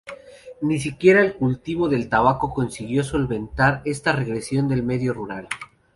Ni siquiera el cultivo del tabaco consiguió solventar esta regresión del medio rural.